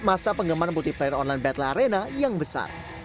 mereka juga bisa penggemar multiplayer online battle arena yang besar